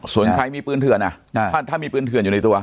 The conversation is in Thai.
ส่วนใครมีปืนเถื่อนถ้ามีปืนเถื่อนอยู่ในตัว